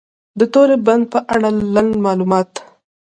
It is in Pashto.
د توری بند په اړه لنډ معلومات: